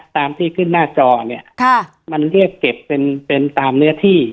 ตามที่ขึ้นหน้าจอเนี่ยมันเรียกเก็บเป็นเป็นตามเนื้อที่